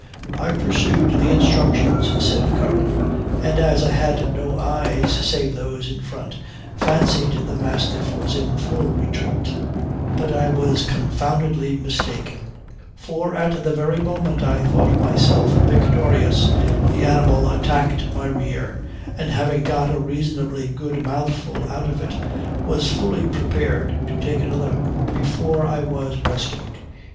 "I pursued the instructions," said Curran, "and as I had no eyes save those in front, fancied the mastiff was in full retreat; but I was confoundedly mistaken; for at the very moment I thought myself victorious, the enemy attacked my rear, and having got a reasonably good mouthful out of it, was fully prepared to take another before I was rescued.